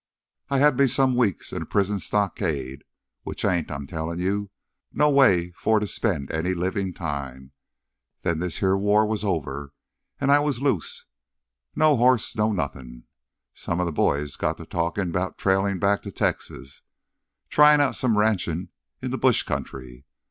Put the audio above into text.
I had me some weeks in a prison stockade, which ain't, I'm tellin' you, no way for to spend any livin' time. Then this here war was over, an' I was loose. No hoss, no nothin'. Some of th' boys got to talkin' 'bout trailin' back to Texas, tryin' out some ranchin' in the bush country.